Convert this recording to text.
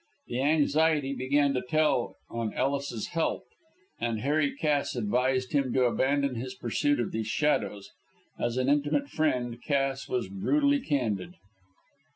The anxiety began to tell on Ellis's health, and Harry Cass advised him to abandon his pursuit of these shadows. As an intimate friend, Cass was brutally candid.